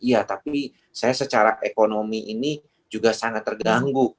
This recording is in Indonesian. iya tapi saya secara ekonomi ini juga sangat terganggu